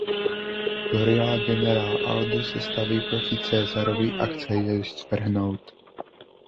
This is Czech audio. Gorila generál Aldo se staví proti Caesarovi a chce jej svrhnout.